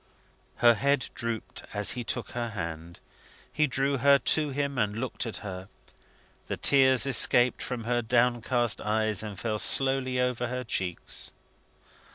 Her head drooped as he took her hand. He drew her to him, and looked at her. The tears escaped from her downcast eyes, and fell slowly over her cheeks.